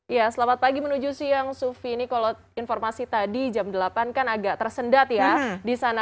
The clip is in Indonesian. ya selamat pagi menuju siang sufi ini kalau informasi tadi jam delapan kan agak tersendat ya di sana